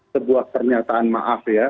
sebuah pernyataan maaf ya